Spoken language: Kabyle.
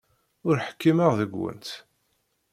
Ur ḥkimeɣ deg-went.